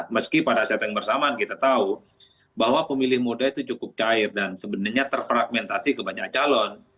meski pada setengah bersamaan kita tahu bahwa pemilih muda itu cukup cair dan sebenarnya terfragmentasi kebanyak calon